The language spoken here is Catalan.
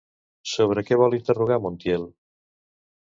Sobre què vol interrogar Montiel?